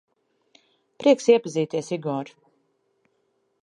Prieks iepazīties, Igor.